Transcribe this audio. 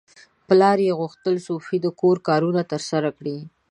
پلار یې غوښتل سوفي د کور کارونه ترسره کړي.